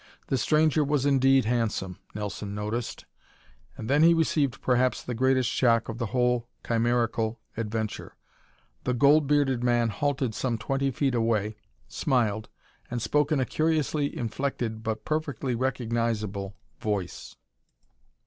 The stranger was indeed handsome, Nelson noticed and then he received perhaps the greatest shock of the whole chimerical adventure. The gold bearded man halted some twenty feet away, smiled and spoke in a curiously inflected but perfectly recognizable voice.